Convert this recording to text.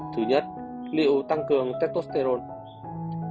thứ nhất rượu tăng cường tetosterone